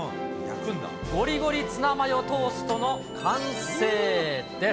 ゴリゴリツナマヨトーストの完成です。